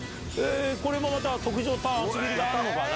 これもまた特上タン厚切りがあるのかな？